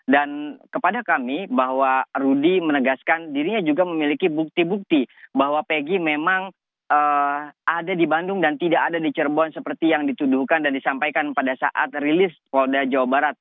dan kepada kami bahwa rudy menegaskan dirinya juga memiliki bukti bukti bahwa peggy memang ada di bandung dan tidak ada di cerbon seperti yang dituduhkan dan disampaikan pada saat rilis polda jawa barat